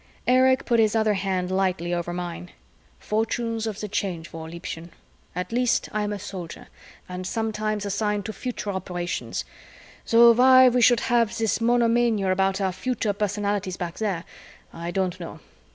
Erich put his other hand lightly over mine. "Fortunes of the Change War, Liebchen. At least I'm a Soldier and sometimes assigned to future operations though why we should have this monomania about our future personalities back there, I don't know.